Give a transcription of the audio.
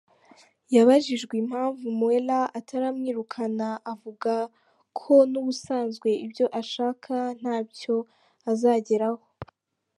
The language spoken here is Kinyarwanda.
Yabajijwe impamvu Mueller ataramwirukana avuga ko n’ubusanzwe ibyo ashaka ntacyo azageraho.